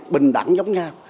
bình đẳng giống nhau